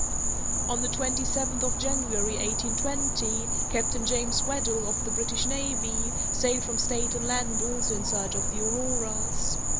On the twenty seventh of January, 1820, Captain James Weddel, of the British navy, sailed from Staten Land also in search of the Auroras.